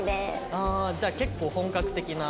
ああーじゃあ結構本格的な？